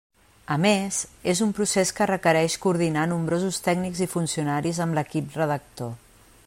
A més, és un procés que requerix coordinar nombrosos tècnics i funcionaris amb l'equip redactor.